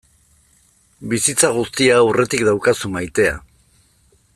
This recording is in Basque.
Bizitza guztia aurretik daukazu maitea.